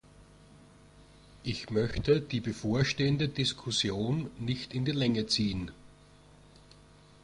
Ich möchte die bevorstehende Diskussion nicht in die Länge ziehen.